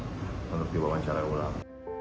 untuk dibawah cara ulang